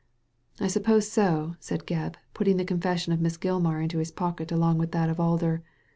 * I suppose so," said Gebb, putting the confession of Miss Gilmar into his pocket along with that of Alder.